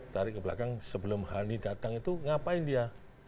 tarik ke belakang sebelum honey datang itu ngapain dia